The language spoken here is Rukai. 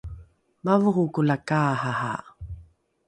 mavoroko la kaarara